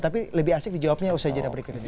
tapi lebih asik jawabnya usai jenis berikut ini